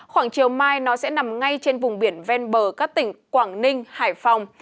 khoảng chiều mai nó sẽ nằm ngay trên vùng biển ven bờ các tỉnh quảng ninh hải phòng